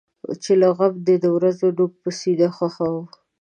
چې له غم دی د ورځو نوک په سینه خښوم.